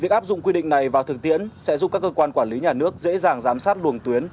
việc áp dụng quy định này vào thực tiễn sẽ giúp các cơ quan quản lý nhà nước dễ dàng giám sát luồng tuyến